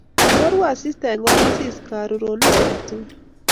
Choru asista eng kong'asis karirunit age tugul.